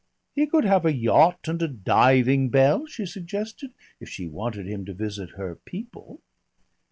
"He could have a yacht and a diving bell," she suggested; "if she wanted him to visit her people."